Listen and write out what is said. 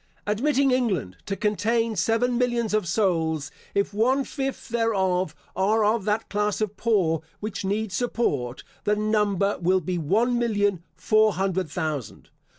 Admitting England to contain seven millions of souls; if one fifth thereof are of that class of poor which need support, the number will be one million four hundred thousand.